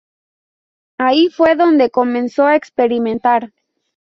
Ahí fue donde comenzó a experimentar.